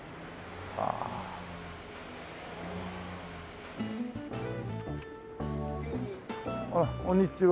ああこんにちは。